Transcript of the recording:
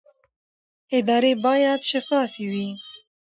ادارې باید شفافې وي